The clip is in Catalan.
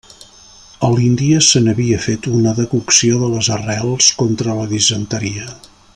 A l'Índia se n'havia fet una decocció de les arrels contra la disenteria.